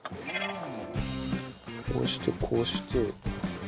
こうしてこうして。